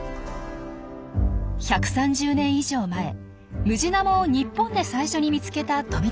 １３０年以上前ムジナモを日本で最初に見つけた富太郎さん。